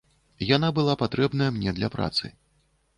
Яна была патрэбная мне для працы.